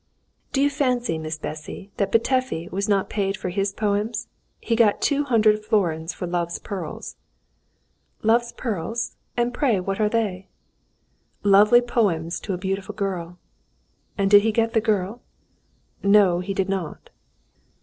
"Do you fancy, Miss Bessy, that Petöfi was not paid for his poems? He got two hundred florins for 'Love's Pearls.'" "'Love's Pearls'! And pray what are they?" "Lovely poems to a beautiful girl." "And did he get the girl?" "No, he did not."